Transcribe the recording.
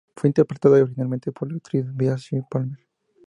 Fue interpretada originalmente por la actriz Betsy Palmer.